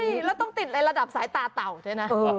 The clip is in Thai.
เฮ้ยแล้วต้องติดในระดับสายตาเต่าใช่ไหม